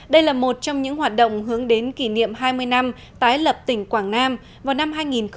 đây là một trong những hoạt động hướng đến kỷ niệm hai mươi năm tái lập tỉnh quảng nam vào năm hai nghìn hai mươi